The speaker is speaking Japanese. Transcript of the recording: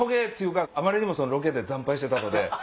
あまりにもロケで惨敗してたので。